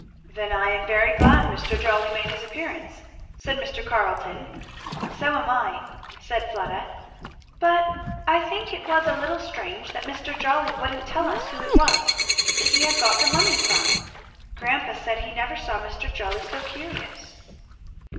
"Then I am very glad Mr. Jolly made his appearance," said Mr. Carleton. "So am I," said Fleda; "but I think it was a little strange that Mr. Jolly wouldn't tell us who it was that he had got the money from. Grandpa said he never saw Mr. Jolly so curious."